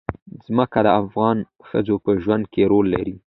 ځمکه د افغان ښځو په ژوند کې رول لري.